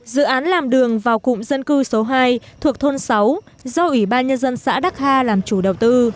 dự án làm đường vào cụm dân cư số hai thuộc thôn sáu do ủy ban nhân dân xã đắc hà làm chủ đầu tư